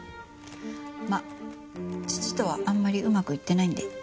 まあ父とはあんまりうまくいってないんで。